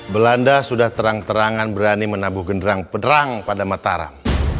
belanda sudah terang terangan berani menabuh genderang penerang pada mataram